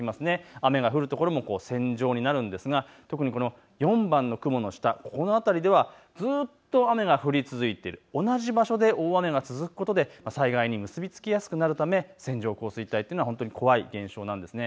雨が降るところも線状になるんですが、特に４番の雲の下この辺りではずっと雨が降り続いて同じ場所で大雨が続くことで災害に結び付きやすくなるため線状降水帯というのものは怖い現象なんです。